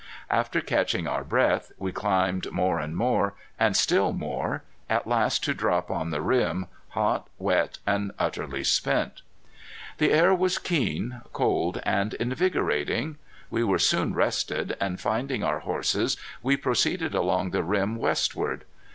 After catching our breath we climbed more and more, and still more, at last to drop on the rim, hot, wet and utterly spent. The air was keen, cold, and invigorating. We were soon rested, and finding our horses we proceeded along the rim westward.